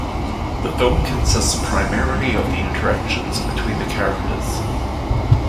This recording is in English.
The film consists primarily of the interactions between the characters.